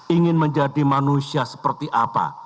ingin menjadi manusia seperti apa